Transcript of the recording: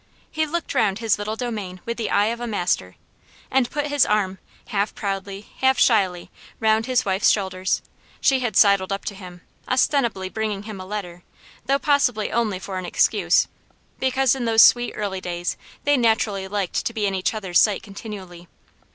He looked round his little domain with the eye of a master, and put his arm, half proudly, half shyly, round his wife's shoulders she had sidled up to him, ostensibly bringing him a letter, though possibly only for an excuse, because in those sweet early days they naturally liked to be in each other's sight continually.